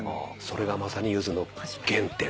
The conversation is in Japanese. それがまさにゆずの原点。